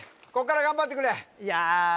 こっから頑張ってくれいや